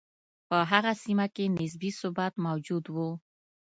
په هغه سیمه کې نسبي ثبات موجود و.